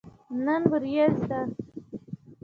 نن وريځ ده